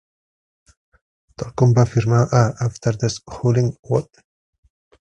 Tal com va afirmar a "After Deschooling, What?"